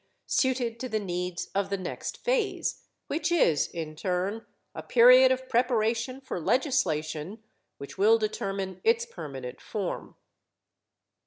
suited to the needs of the next phase, which is, in turn, a period of preparation for legislation which will determine its permanent form.